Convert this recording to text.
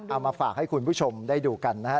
เอามาฝากให้คุณผู้ชมได้ดูกันนะฮะ